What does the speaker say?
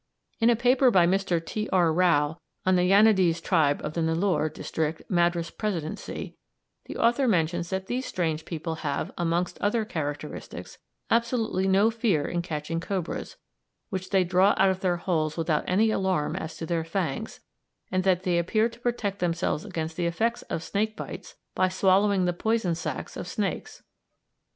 In a paper by Mr. T. R. Rao on the Yánádés tribe of the Nellore district, Madras Presidency, the author mentions that these strange people have, amongst other characteristics, absolutely no fear in catching cobras, which they draw out of their holes without any alarm as to their fangs, and that they appear to protect themselves against the effects of snake bites by swallowing the poison sacs of snakes.